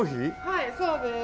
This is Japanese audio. はいそうです。